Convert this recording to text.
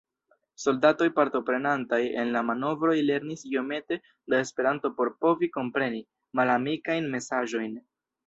Soldatoj partoprenantaj en la manovroj lernis iomete da Esperanto por povi kompreni malamikajn mesaĝojn.